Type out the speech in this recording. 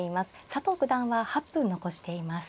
佐藤九段は８分残しています。